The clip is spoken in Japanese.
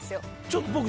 ちょっと。